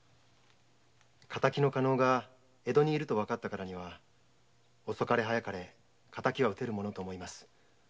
敵の加納が江戸にいると判ったからには遅かれ早かれ敵は討てると思います。